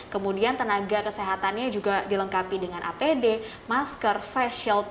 kemudian tenaga kesehatannya juga dilengkapi dengan apd masker face shield